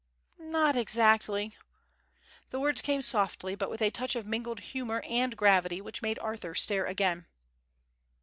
"Not exactly." The words came softly but with a touch of mingled humour and gravity which made Arthur stare again.